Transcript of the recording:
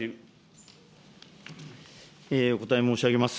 お答え申し上げます。